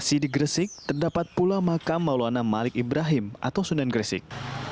di gresik terdapat pula makam maulana malik ibrahim atau sunan gresik